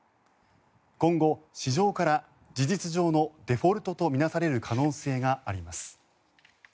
今後、市場から事実上のデフォルトと見なされる可能性があります。